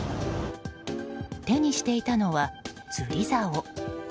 手にしていたのは釣り竿。